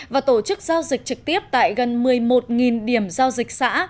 và tổ chức giao dịch trực tiếp tại gần một mươi một điểm giao dịch xã